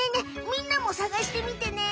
みんなもさがしてみてね！